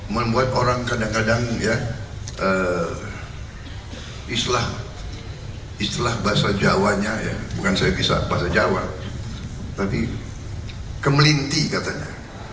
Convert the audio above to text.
membuat orang kadang kadang ya istilah bahasa jawanya ya bukan saya bisa bahasa jawa tapi kemelinti katanya